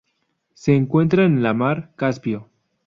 Se encuentra en la mar Caspio.